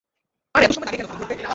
আর এতো সময় লাগে কেনো ফোন ধরতে?